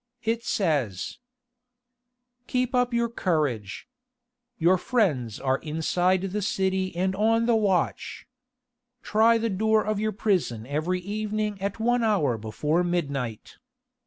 It says: "'Keep up your courage. Your friends are inside the city and on the watch. Try the door of your prison every evening at one hour before midnight.